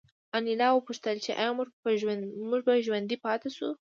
انیلا وپوښتل چې ایا موږ به ژوندي پاتې شو